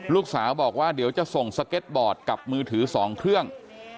ลูกสาวบอกว่าเดี๋ยวจะส่งสเก็ตบอร์ดกับมือถือ๒เครื่อง